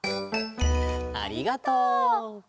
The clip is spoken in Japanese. ありがとう。